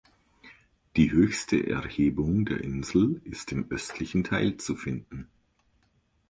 Die höchste Erhebung der Insel ist mit im östlichen Teil zu finden.